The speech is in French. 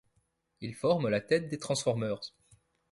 Ils forment la tête des Transformers.